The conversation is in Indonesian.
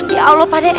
ya allah pade